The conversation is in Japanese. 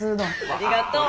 ありがとう。